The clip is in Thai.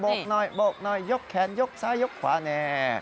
กหน่อยโบกหน่อยยกแขนยกซ้ายยกขวาแน่